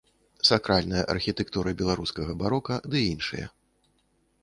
Сакральная архітэктура беларускага барока ды іншыя.